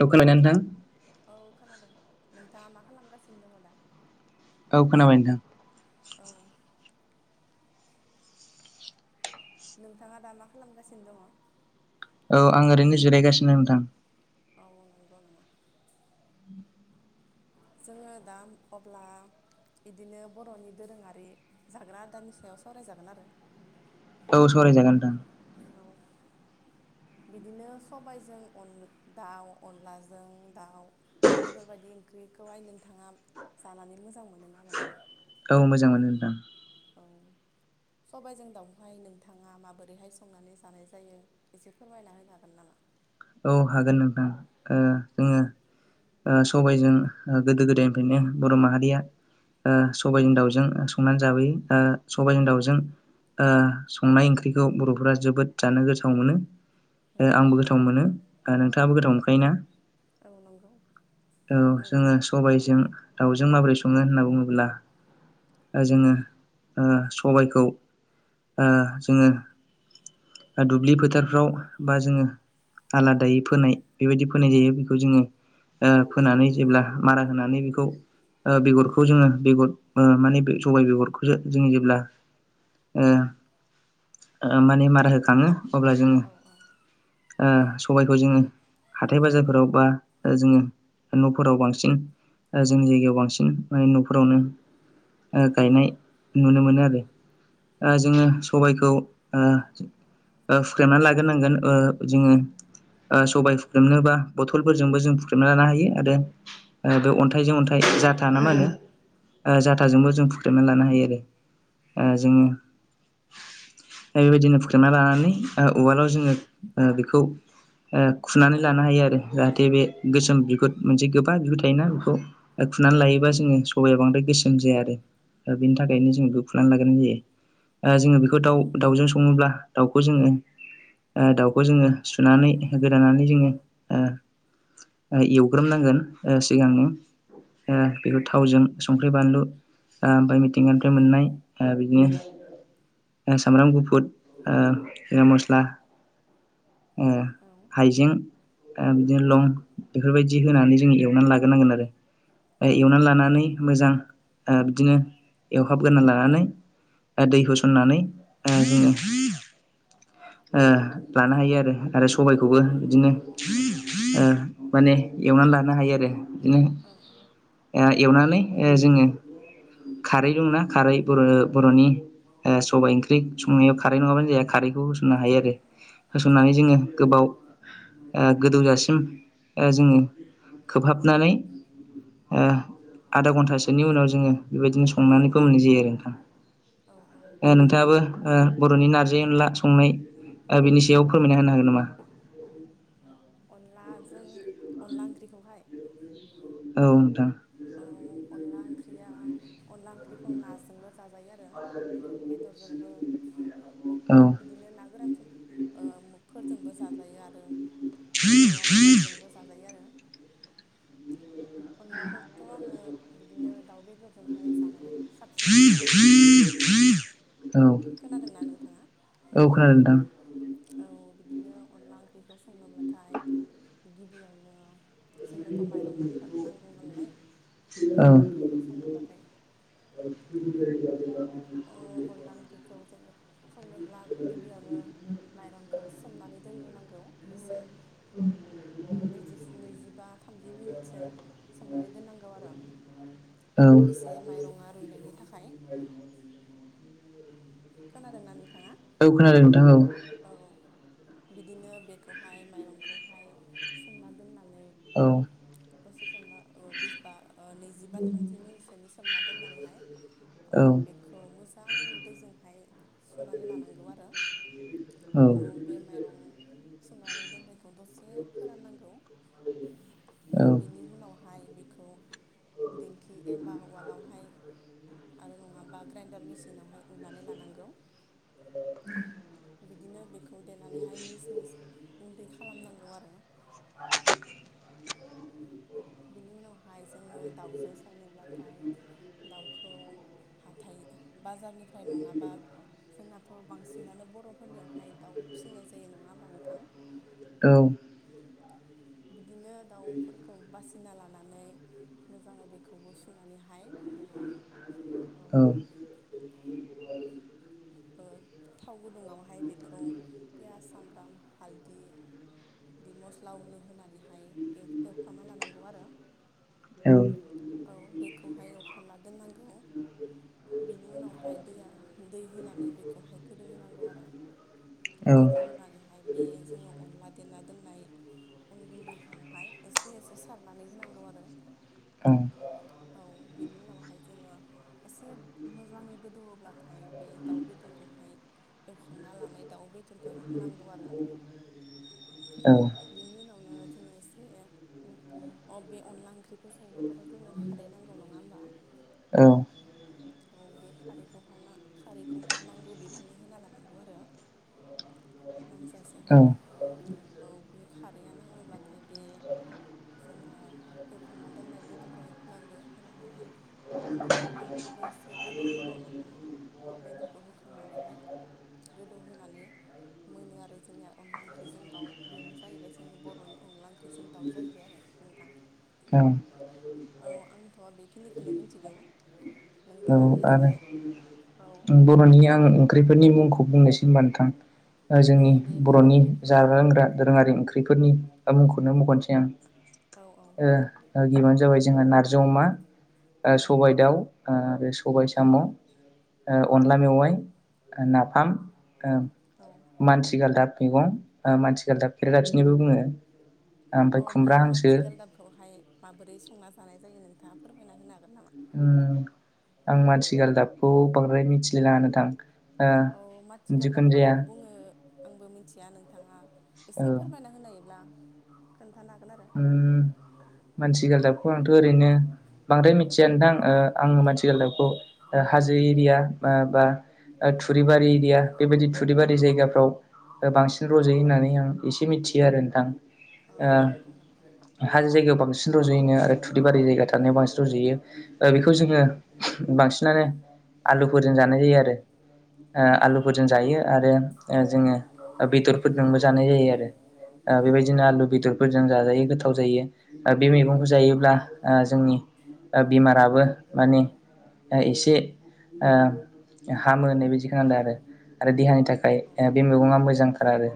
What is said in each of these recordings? खोनादों ना नोंथां औ खोनादों नोंथाङा मा खालामगासिनो दङ दा औ खोनाबाय नोंथां औ नोंथाङा दा मा खालामगासिनो दङ औ आं ओरैनो जिरायगासिनो नोंथां ओ नंगौ नामा जोङो दा अब्ला इदिनो बर'नि दोरोङारि जाग्रा आदारानि सायाव सावरायजागोन आरो औ सावरायजागोन नोंथां औ बिदिनो सबायजों दाउ अनलाजों दाउ बेफोरबायदि ओंख्रिखौहाय नोंथाङा जानानै मोजां मोनो ना मोना औ मोजां मोनो नोंथां औ सबायाइजों दाउहाय नोंथाङा माबोरैहाय संनानै जानाय जायो एसे फोरमायना होनो हागोन नामा? [inaudible] औ हागोन नोंथां ओ औ जोङो सबायजों गोदो गोदायनिफ्रायनो बर' माहारिया सबायाजों दाउजों संनानै जाबोयो सबायजों दाउजों संनाय ओंख्रिखौ बर'फोरा जोबोद जानो गोथाव मोनो औ आंबो नंगौ गोथाव गोथाव मोनो औ नोंथाङाबो गोथाव मोनखायोना औ नंगौ औ मोनो जोङो सबायजों दाउजों माबोरै सङो होनना बुङोब्ला जोङो सबायखौ जोङो दुब्लि फोथारफ्राव बा जोङो आलादायै फोनाय बेबायदि फोनाय जायो बेखौ जोङो फोनानै जेब्ला मारा होनानै बेखौ बेगरखौ जोङो बेगर माने बे सबाय बेगरखौसो जोङो जेब्ला माने मारा होखाङो अब्ला जोङो औ सबायखौ जोङो हाथाय बाजारफोराव बा जोङो न'फोराव बांसिन जोंनि जायगायाव बांसिन माने न'फोरावनो गायनाय नुनो मोनो आरो। औ जोङो सबायखौ होख्रेमनानै लाग्रोनांगोन। ओ जोङो सबाय होख्रेमनोबा बथलफोरजोंबो जों होख्रेमना लानो हायो आरो बे अन्थाइ अन्थाइजों अन्थाइ जाथा ना मा होनो जाथाजोंबो जों होख्रेनानै लानो हायो आरो। औ जोङो दा बेबायदिनो होख्रेमना लानानै उवालाव जोङो ओ बेखौ खुनानै लानो हायो आरो जाहाथे बे गोसोम बिगुर मोनसे गोबा थायोना बेखौ फुनानै लायोबा जोङो सबाया बांद्राय गोसोम जाया आरो दा बेनि थाखायनो जोङो होखेरेमनानै लाग्रोनाय जायो। औ जोङो बेखौ नंगौ दाउ दाउजों सङोब्ला दाउखौ जोङो दाउखौ जोङो सुनानै गोदानानै जोङो ओ एवग्रोमनांगोन सिगांनि औ बेखौ थावजों संख्रि बानलु ओमफ्राय मिथिंगानिफ्राय मोननाय बिदिनो सामब्राम गुफुर जिरा मस्ला औ हाइजें बिदिनो लं बेफोरबायदि होनानै जों एवनानै लाग्रोनांगोन आरो। औ एवनानै लानानै मोजां बिदिनो एवहाबगोरोनना लानानै दै होसननानै जोङो लानो हायो आरो आरो सबायखौबो बिदिनो ओ माने एवनानै लानो हायो आरो बिदिनो औ एवनानै ओ जोङो खारै दंना खारै बर' बर'नि ओ सबाइ ओंख्रि संनायाव खारै नङाबानो जाया खारैखौ होसननो हायो आरो। औ होसननानै जोङो नंगौ गोबाव ओ गोदौजासिम ओ जोङो खोबहाबनानै ओ आधा घन्टासोनि उनाव जोङो बेबायदिनो संनानैबो मोननाय जायो। औ औ ओ नोंथाङाबो ओ बर'नि नारजि अनला संनाय बिनि सो बेयाव फोरमायना होनो हागोन नामा? अनलाजों अनला ओंख्रिखौहाय। औ नोंथां औ अनला ओंख्रिया अनला ओंख्रिखौ नाजोंबो जाजायो आरो बेदरजोंबो। औ बिदिनो ना गोरानफोर ओ उमुगफोर जोंबो जाजायो आरो बे औवा मेवाइजोंबो जाजायो आरो। थ' आङो बिदिनो दाउ बेदरजोंहाय जानानै साबसिन मोनो आरो। खोनादोंना नोंथाङा औ औ खोनादों नोंथां। औ बिदिनो अनला ओंख्रिखौ संनोब्लाथाय गिबियावनो जोंनोथ' माइरं नां नांगौ नालाय अनला ओंख्रिखौ संनोब्लाथाय ओम ओरैनो दं ओम अनला ओंख्रैखौ संनोब्ला गिबियावनो माइरंखौ सोमनानै दोनग्रोनांगौ एसे नैजि नैजिबा थामजि मिनिटसो सोमनानै दोननांगौ आरो। ओं एसे माइरङा रुइनायनि थाखाय खोनादों नोंथां? औ खोनादों नोंथां औ। बिदिनो बेखौहाय माइरंखौहाय सोमना दोननानै। औ बोसोर सोमना बिसबा नैजिबा थामजि मिनिटसोनि सोमना दोननानैहाय। अ बेखौ मोजां दैजोंहाय। सुनानै लानांगौ आरो औ बे माइरं सुनानै दोननाय। दसे फोराननांगौ औ ओ बेनि उनावहाय बेखौ। दिंखि एबा उवालावहाय आरो नङाबा ग्राइनडार मेसिनावहाय उननानै। लानांगौ। [inaudible] बिदिनो बेखौ देनानैहाय मिस मिस गुन्दै खालामनांगौ आरो। बिनि उनावहाय जोङो दाउजों संनोब्लाथाय दाउखौ। हाथाइ बाजारनिफ्राय नङाबा। जोंनाथ' बांसिनानो बर'फोरनियावहाय दाउ फिसिनाय जायो नङा होमबा नोंथां। औ। बिदिनो दाउफोरखौ बासि। सिना लानानै मोजाङै बेखौबो सुनानैहाय। ओ औ ओ थाव गुदुङावहाय बेखौ पियास सामब्राम हालदि। बिदि मस्ला उनु होनानैहाय एव एवफ्रामना लानांगौ आरो। औ बेखौहाय एवफ्रामना दोननांगौ। बिनि उनावहाय दैया। दै होनानै बेखौहाय गोदौ होनांगौ आरो औ गोदौहोनानैहाय बे जोङो अनला देना दोननाय। अन गुन्दैखौहाय एसे एसे सारनानै होनांगौ आरो। औ बिनि उनावहाय जोङो एसे मोजाङै गोदोवौब्लाथाय। ओमफाय बे दाउ बेदरखौहाय एवखांना लानाय दाउ बेदरखौय होनांगौ आरो। [inaudible] बिनि उनावनो जोङो एसे अ बे अनला ओंख्रिखौ संनोबाथ' जोंनो खारै नांगौ नङा होमबा औ [inaudible] औ बे खारैखौ खारैखौहाय नांगौ बिबांनि होना लानांगौ आरो नांजासेहाय औ बे खारैआ नाङोब्लाथाय बे जोङो एवखांना दोननाय बेदरखौ होनांगौ होनानैहाय बिदिनो बेखौबो एसे गोदौ होबावनानै बेदरखौ होखांनानैहाय गोदौहोनानै मोनो आरो जोंनिया अनला ओंख्रिजों दाउ बेनो जाहैबाय जोंनि बर'नि अनला ओंख्रिजों दाउ जाहैबाय आरो नोंथां औ औ आंथ' बेखिनिखौनो मिथिगौ आरो नोंथाङाबो एसे औ मानि आं ओंख्रिफोरनि मुंखौ बुंनोसै नोंथां औ जोंनि दे बुंना बर'नि होदो बिदिब्ला जाग्र लोंग्रा दोरोङारि ओंख्रिफोरनि मुंखौनो मख'नोसै आं औ औ ओ ओ गिबियावनो जाबाय जोंहा नारजि अमा ओ औ सबाइ दाउ ओ बे सबाय साम', ओ अनला मेवाइ, नाफाम ओ औ माथिगालदाब मैगं ओ माथिगालदाबखौ खेरदाफिनिबो बुङो ओमफ्राय अ बे खुमब्रा हांसो माथिगालदाबखौहाय माबोरै संना जानाय जायो नोंथाङा फोरमायना होनो हागोन नामा? उम आं मानसिगालदाबखौ बांद्राय मिथिलाय लाङा नोथां ओ औ माथिगालदाब जिखुनु जाया माखौ बुङो आंबो मिथिया नोंथाङा औ एसे फोरमायना होनायब्ला उम मानसिगालबखौ आंथ' ओरैनो बांद्राय मिथिया नोंथां ओ आं माथि औ गालदाबखौ हाजो एरिया बा बा ओ औ थुरिबारि एरिया बेबायदि थुरिबारि जायगाफ्राव बांसिन रज'यो होननानै आं एसे मिथियो आरो नोंथां औ ओ नंगौ नामा? हाजो जायगायाव बांसिन रज'योनो आरो थुरिबारि जायगा थानायाव बांसिन रज'यो ओ बेखौ जोङो बांसिनानो आलुफोरजों जानाय जायो आरो ओ ए औ आलुफोरजों नंगौ। जायो आरो जोङो बेदरफोरजोंबो जानाय जायो आरो ओ औ औ। बेबायदिनो आलु बेदरफोरजों जाजायो गोथाव जायो ओ बे औ। औ औ। मैगंखौ जायोब्ला ओ जोंनि ओ बेमाराबो माने एसे ओ हामो होननाय बादि खोनादों आरो आरो देहानि थाखाय ओ बे मैगङा मोजांथार आरो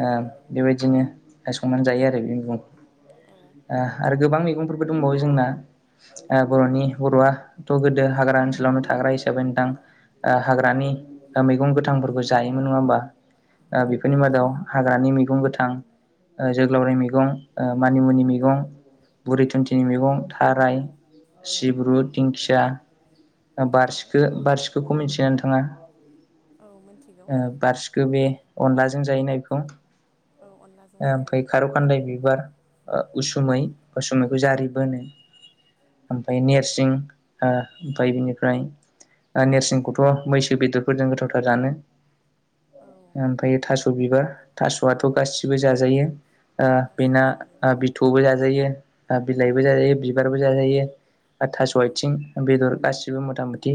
औ नंगौ बेबायदिनो संनानै जायो आरो बे मैगं ओ औ आरो गोबां मैगंफोरबो दंबावो जोंना ओ बर'नि बर'आथ' गोदो हाग्रा ओनसोलावनो थाग्रा हिसाबै नोंथां ओ औ हाग्रानि औ मैगं गोथांफोरखौ जायोमोन नङा होमबा ओ बेफोरनि औ मादाव नंगौ। हाग्रानि मैगं गोथां जोग्लावरि मैगं मैगं ओ मानिमुनि मैगं बुरि औ। थुुनथिनि मैगं थाराय सिब्रु दिंखिया औ बारसिखो बारसिखोखौ मिथिगोन नोंथाङा औ मिथिगौ बारसिखो बे अनलाजों जायो ना बेखौ अनलाजों ओमफ्राय जाजायो खारौ बिबार ओ उसुमै उसुमैखौ जारिबो होनो ओमफाय नेरसिं ओमफ्राय बिनिफ्राय ओ औ नेरसिंखौथ' मैसो बेदरफोरजों गोथावथार जानो औ ओमफ्राय थास' बिबार थास'आथ' गासिबो जाजायो ओ औ बेना गासिबो जाजायो बिथ'बो जाजायो औ बिलाइबो जाजायो बिबारबो जाजायो औ थास' आइथिं बेदर गासिबो गसिबो मथा मथि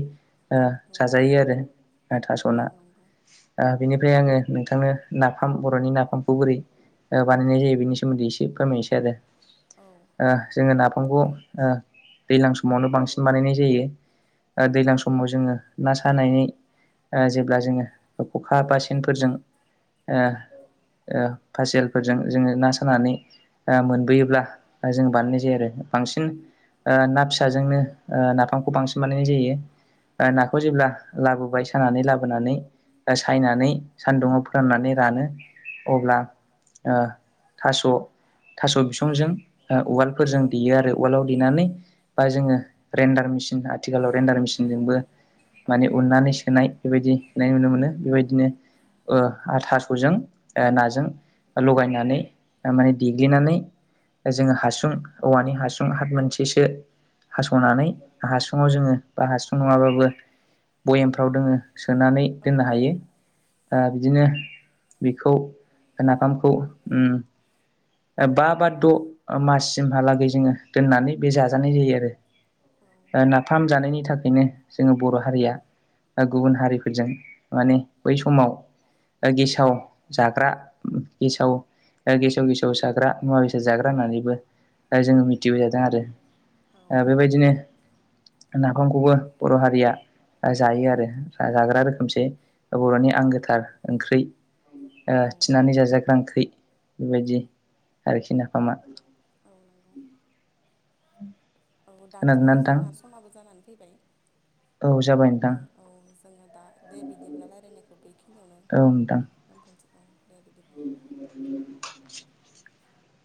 ओ औ औ जाजायो आरो ओ थास'ना औ नंगौ ओ बेनिफ्राय आङो नोंथांनो नाफाम बर'नि नाफामखौ बोरै ओ बा नायनाय जायो बेनि सोमोनदै इसे फोरमायनिसै आरो औ ओ जोङो ना फांखौ ओ दैज्लां समावनो बांसिन बानायनाय जायो औ दैज्लां समाव जोङो ना सानायै ओ जेब्ला जोङो खखा बा सेनफोरजों ओ ओ फासिलफोरजों जोङो ना सानानै मोनबोयोब्ला जों बानायनाय जायो आरो बांसिन ना फिसाजोंनो ओ नाफामखौ बांसिन बानायनाय जायो ओ औ नाखौ औ जेब्ला लाबोबाय सानानै लाबोनानै सायनानै सानदुङाव फोराननानै रानो अब्ला ओ थास' थास' बिसंजों उवालफोरजों देयो आरो उवालाव देनानै बा जोङो ग्रेन्डार आथिखालाव ग्रेन्डार मिसिनजोंबो औ माने नंगौ उननानै सोनाय बेबायदि नुनो मोनो बेबाय दिनो ओ आ थास'जों नाजों लगायनानै माने देग्लिनानै जोङो हासुं औवानि हासुं हाथ मोनसेसो हास'नानै हासुङाव जोङो बा हासुं नङाबाबो भयेमफ्राव दोङो सोनानै औ दोननो हायो आ औ बिदिनो बिखौ नाफामखौ उम बा बा द' माससिमहालागै जोङो दोननानै बे जाजानाय जायो आरो नाफाम जानायनि थाखायनो जोङो बर' हारिया गुबुन हारिफोरजों माने बै समाव गेसाव जाग्रा गेसाव ओ गेसाव गेसाव जाग्रा मुवा बेसाद जाग्रा होननानैबो ओ जोङो मिथिबोजादों आरो औ ओ बेबायदिनो नाफामखौबो बर' हारिया जायो आरो जाग्रा रोखोमसे बर'नि औ आंगोथार ओंख्रि ओ थिनानै जाजा बेबायदि आरोखि नाफामा। औ नंगौ [inaudible] औ दाथ' खोनादोंना नोंथां जोंना समाबो जानानै फैबाय। औ जाबाय नोंथां ओ औ जोङो दा दे बिदिब्ला लायरानायखौ बे खिनियावनो औ नोंथां दोनथ'नसै। [inaudible]